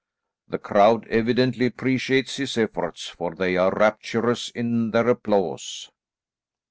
The crowd evidently appreciates his efforts, for they are rapturous in their applause."